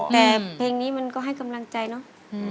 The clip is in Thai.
แต่เพลงนี้มันก็ให้กำลังใจเนาะ